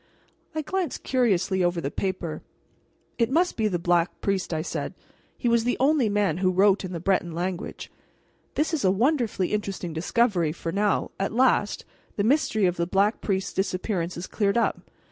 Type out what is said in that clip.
'" I glanced curiously over the paper. "It must be the Black Priest," I said. "He was the only man who wrote in the Breton language. This is a wonderfully interesting discovery, for now, at last, the mystery of the Black Priest's disappearance is cleared up.